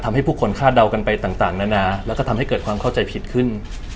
ทำให้ผู้คนคาดเดากันไปต่างนานาแล้วก็ทำให้เกิดความเข้าใจผิดขึ้น